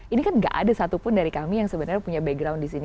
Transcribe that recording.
ini kan gak ada satupun dari kami yang sebenarnya punya background di sini